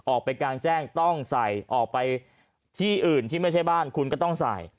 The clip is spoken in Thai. ออกไปกลางแจ้งต้องใส่ออกไปที่อื่นที่ไม่ใช่บ้านคุณก็ต้องใส่